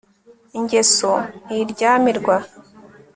ingeso ntiryamirwa